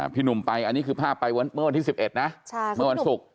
พี่หนุ่มไปอันนี้คือภาพไปเมื่อวันที่๑๑นะเมื่อวันศุกร์